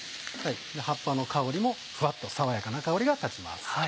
葉っぱの香りもフワっと爽やかな香りが立ちます。